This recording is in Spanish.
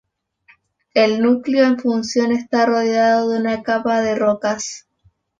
El núcleo en fusión está rodeado de una capa de rocas.